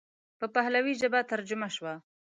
په پهلوي ژبه ترجمه شوه.